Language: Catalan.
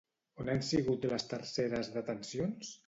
On han sigut les terceres detencions?